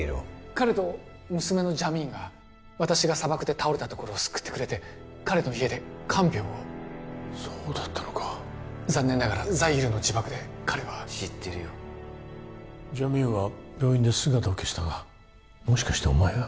彼と娘のジャミーンが私が砂漠で倒れたところを救ってくれて彼の家で看病をそうだったのか残念ながらザイールの自爆で彼は知ってるよジャミーンは病院で姿を消したがもしかしてお前が？